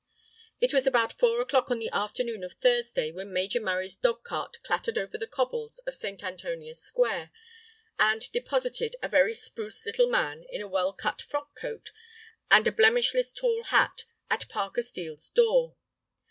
It was about four o'clock on the afternoon of Thursday when Major Murray's dog cart clattered over the cobbles of St. Antonia's Square, and deposited a very spruce little man in a well cut frock coat, and a blemishless tall hat at Parker Steel's door.